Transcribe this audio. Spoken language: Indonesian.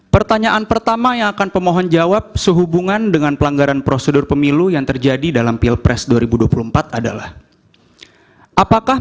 pertanyaan pertama yang akan pemohon jawab sehubungan dengan pelanggaran prosedur pemilu yang terjadi dalam pilpres dua ribu dua puluh empat adalah apakah